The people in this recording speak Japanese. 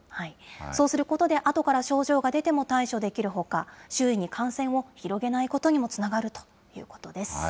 そうすることで、あとから症状が出ても対処できるほか、周囲に感染を広げないことにもつながるということです。